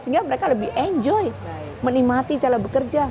sehingga mereka lebih enjoy menikmati cara bekerja